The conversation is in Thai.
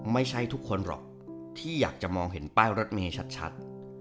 ไม่ใช่ทุกคนหรอกที่อยากจะมองเห็นป้ายรถเมย์ชัด